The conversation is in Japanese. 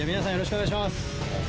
お願いします。